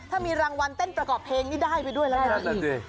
ถ้ามีรางวัลเต้นประกอบเพลงนี่ได้ไปด้วยแล้วนะ